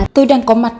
tôi đang có mặt